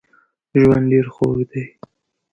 ژوند ډېر خوږ دی